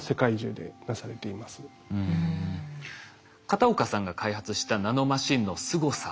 片岡さんが開発したナノマシンのすごさ